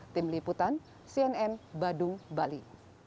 tim liputan cnn badung bali